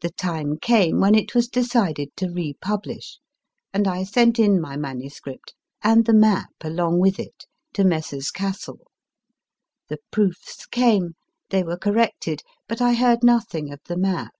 The time came when it was decided to republish, and I sent in my manuscript, and the map along with it, to Messrs. Cassell. The proofs came, they were corrected, but I heard nothing of the map.